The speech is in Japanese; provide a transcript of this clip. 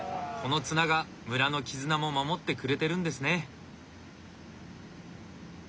この綱が村の絆も守ってくれてるんですね。